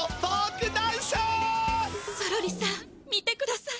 ゾロリさん見てください。